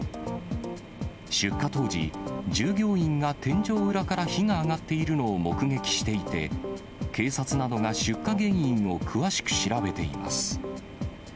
出火当時、従業員が天井裏から火が上がっているのを目撃していて、警察などが出火原因を詳しく調べています。